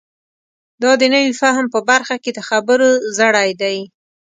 دا د نوي فهم په برخه کې د خبرو زړی دی.